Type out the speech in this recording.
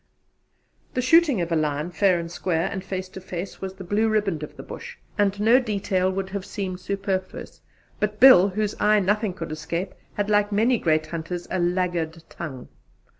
The shooting of a lion, fair and square, and face to face, was the Blue Riband of the Bush, and no detail would have seemed superfluous; but Bill, whose eye nothing could escape, had, like many great hunters, a laggard tongue.